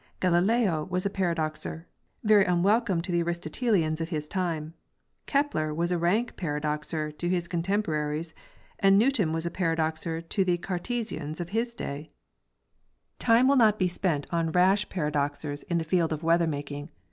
Galileo was a paradoxer—very unwel come to the Aristotelians of his time. Kepler was a rank para doxer to his contemporaries, and Newton was a paradoxer to the Cartesians of his day. . The Ways of Paradoxers. 47 Time will not be spent on rash paradoxers in the field of weather making.